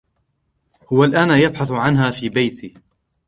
هو الآن يبحث عنها في بيتي.